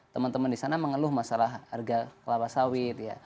teman teman di sana mengeluh masalah harga kelapa sawit ya